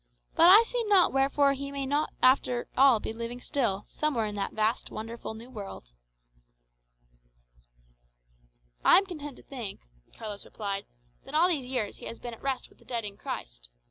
But I see not wherefore he may not after all be living still, somewhere in that vast wonderful New World." "I am content to think," Carlos replied, "that all these years he has been at rest with the dead in Christ.